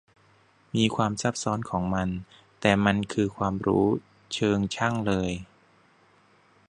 มีความซับซ้อนของมัน แต่มันคือความรู้เชิงช่างเลย